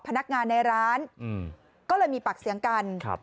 พนักงานในร้านอืมก็เลยมีปากเสียงกันครับ